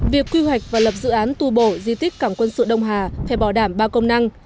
việc quy hoạch và lập dự án tu bổ di tích cảng quân sự đông hà phải bỏ đảm ba công năng